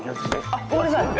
あっごめんなさい！